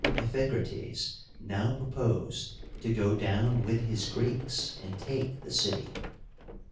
Iphicrates now proposed to go down with his Greeks and take the city.